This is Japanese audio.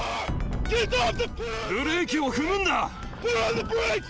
ブレーキを踏むんだ！